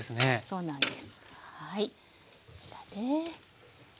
そうなんです。